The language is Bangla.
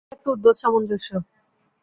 সব তাতেই একটা উদ্ভট সামঞ্জস্য।